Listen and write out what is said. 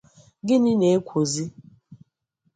Gịnị na-èkwòzị